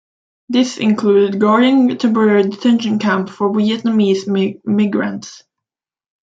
This included guarding temporary detention camps for Vietnamese migrants.